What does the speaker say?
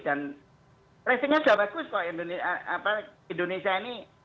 dan tracingnya sudah bagus kok indonesia ini